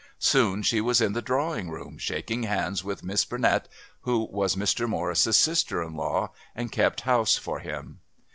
Soon she was in the drawing room shaking hands with Miss Burnett, who was Mr. Morris' sister in law, and kept house for him.